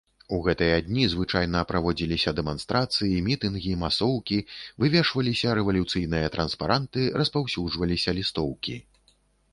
У гэтыя дні звычайна праводзіліся дэманстрацыі, мітынгі, масоўкі, вывешваліся рэвалюцыйныя транспаранты, распаўсюджваліся лістоўкі.